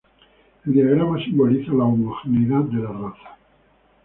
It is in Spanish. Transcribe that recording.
El diagrama simboliza la homogeneidad de la raza.